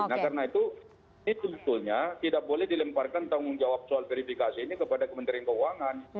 nah karena itu ini sebetulnya tidak boleh dilemparkan tanggung jawab soal verifikasi ini kepada kementerian keuangan